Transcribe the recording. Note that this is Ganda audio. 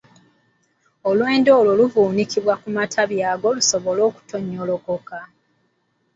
Olwendo olwo luvuunikibwa ku matabi ago lusobole okutonnyolokoka.